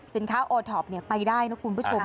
สินค้าโอทอปเนี่ยไปได้นะคุณผู้ชม